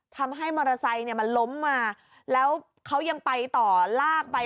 ทำให้มอเตอร์ไซค์เนี่ยมันล้มมาแล้วเขายังไปต่อลากไป